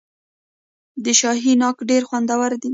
د شاهي ناک ډیر خوندور وي.